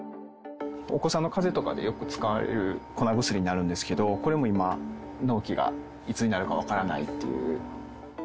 お子さんのかぜとかでよく使われる粉薬になるんですけど、これも今、納期がいつになるか分からないっていう。